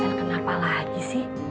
el kenapa lagi sih